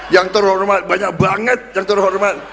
yang terhormat banyak banget yang terhormat